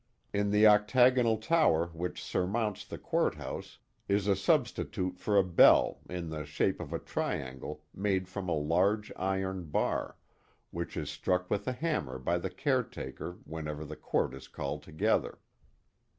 In the octagonal tower which surmounts the court house is a substitute for a bell in the shape of a triangle made from a targe iron bar, which is struck with a hammer by the caretaker whenever the court is called together.